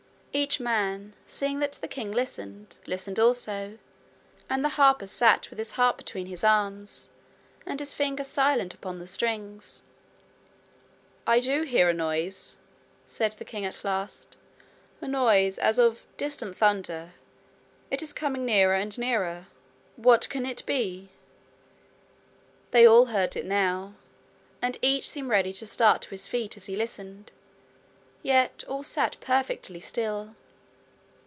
Each man, seeing that the king listened, listened also, and the harper sat with his harp between his arms, and his finger silent upon the strings. 'I do hear a noise,' said the king at length 'a noise as of distant thunder. It is coming nearer and nearer. What can it be?' They all heard it now, and each seemed ready to start to his feet as he listened. Yet all sat perfectly still.